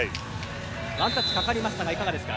ワンタッチかかりましたがいかがですか？